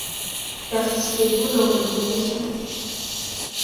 Persistez-vous dans vos dénégations?...